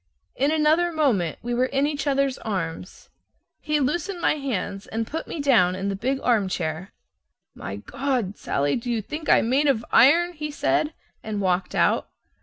In another moment we were in each other's arms. He loosened my hands, and put me down in the big armchair. "My God! Sallie, do you think I'm made of iron?" he said and walked out.